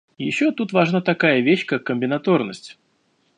Еще тут важна такая вещь, как комбинаторность.